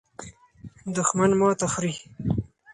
دښمن ماته خوري.